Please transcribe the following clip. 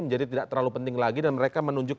menjadi tidak terlalu penting lagi dan mereka menunjuk